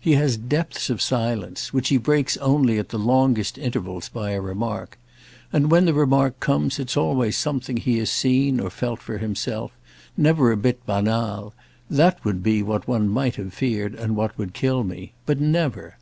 He has depths of silence—which he breaks only at the longest intervals by a remark. And when the remark comes it's always something he has seen or felt for himself—never a bit banal. That would be what one might have feared and what would kill me. But never."